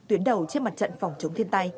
tuyến đầu trên mặt trận phòng chống thiên tai